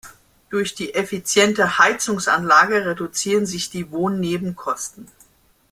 Durch die effiziente Heizungsanlage reduzieren sich die Wohnnebenkosten.